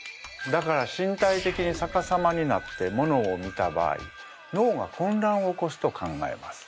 だから身体的にさかさまになってものを見た場合脳がこんらんを起こすと考えます。